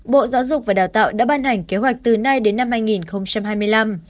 bộ giáo dục và đào tạo đã ban hành kế hoạch từ nay đến năm hai nghìn hai mươi năm